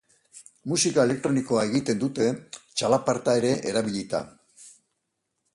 Musika elektronikoa egiten dute, txalaparta ere erabilita.